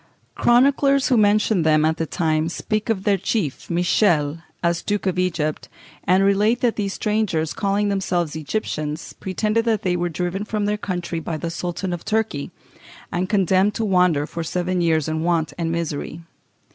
Chroniclers who mention them at that time speak of their chief, Michel, as Duke of Egypt, and relate that these strangers, calling themselves Egyptians, pretended that they were driven from their country by the Sultan of Turkey, and condemned to wander for seven years in want and misery.